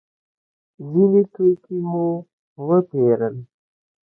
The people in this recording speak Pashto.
ځینې توکي مو وپېرل.